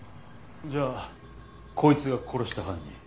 じゃあこいつが殺した犯人。